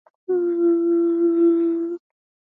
Unachanganya unga na maji